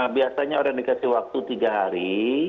biasanya orang dikasih waktu tiga hari